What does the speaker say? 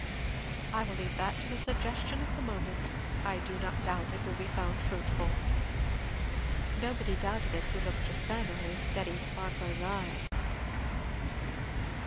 "I will leave that to the suggestion of the moment. I do not doubt it will be found fruitful." Nobody doubted it who looked just then on his steady sparkling eye.